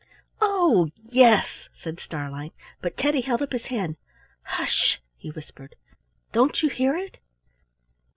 "Oh, yes!" said Starlein. But Teddy held up his hand— "Hush!" he whispered; "don't you hear it?"